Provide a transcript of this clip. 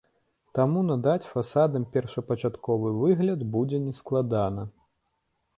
Таму надаць фасадам першапачатковы выгляд будзе нескладана.